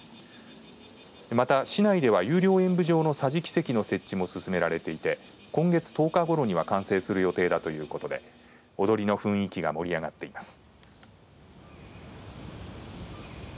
また、市内では有料演舞場の桟敷席の設置も進められていて今月１０日ごろには完成する予定だということで踊りの雰囲気が盛り上がっています。